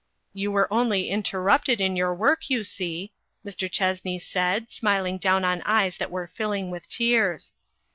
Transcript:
" You were only interrupted in your work, you see," Mr. Chessney said, smiling down on eyes that were filling with tears.